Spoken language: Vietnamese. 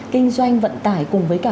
kinh doanh vận tải cùng với cả